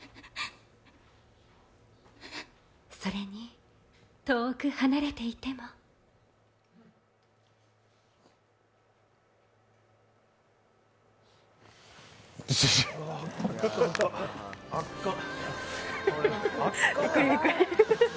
それに、遠く離れていてもあかん。